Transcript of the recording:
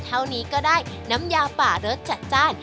เท่านี้ก็ได้น้ำยาป่ารสจัดจ้าน